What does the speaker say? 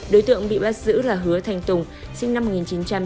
đối tượng bị bắt giữ là hứa thanh tùng sinh năm một nghìn chín trăm chín mươi bảy